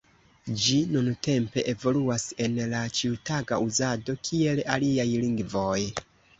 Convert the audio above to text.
Ĝi nuntempe evoluas en la ĉiutaga uzado kiel aliaj lingvoj.